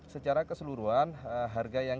secara keseluruhan harga yang